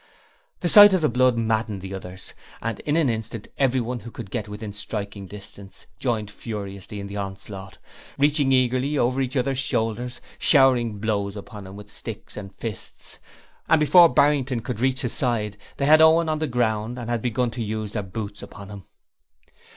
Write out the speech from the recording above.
The sight of the blood maddened the others, and in an instant everyone who could get within striking distance joined furiously in the onslaught, reaching eagerly over each other's shoulders, showering blows upon him with sticks and fists, and before Barrington could reach his side, they had Owen down on the ground, and had begun to use their boots upon him.